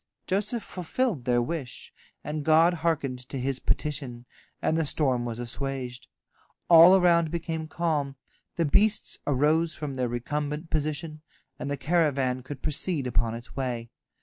Joseph fulfilled their wish, and God hearkened to his petition, and the storm was assuaged. All around became calm, the beasts arose from their recumbent position, and the caravan could proceed upon its way.